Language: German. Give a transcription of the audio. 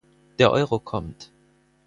Der Euro kommt.